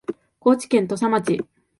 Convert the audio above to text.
高知県土佐町